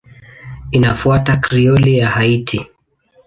Inafuata Krioli ya Haiti.